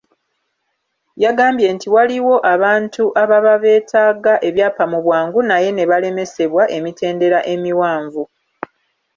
Yagambye nti waliwo abantu ababa beetaaga ebyapa mu bwangu naye ne balemesebwa emitendera emiwanvu.